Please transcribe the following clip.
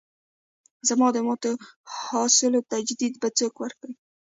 زما د ماتو حوصلو تجدید به څوک وکړي.